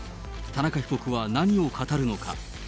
田中被告は何を語るのか。